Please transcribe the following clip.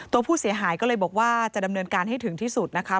ตัวผู้เสียหายก็เลยบอกว่าจะดำเนินการให้ถึงที่สุดนะคะ